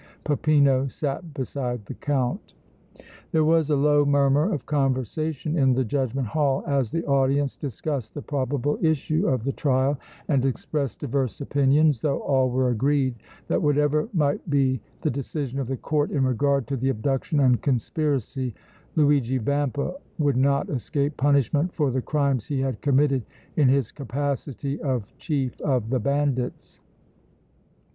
Peppino sat beside the Count. There was a low murmur of conversation in the Judgment Hall, as the audience discussed the probable issue of the trial and expressed diverse opinions, though all were agreed that whatever might be the decision of the Court in regard to the abduction and conspiracy Luigi Vampa would not escape punishment for the crimes he had committed in his capacity of chief of the bandits.